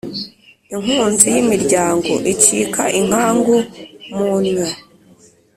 Inkunzi y’imiryango icika inkangu mu nnyo.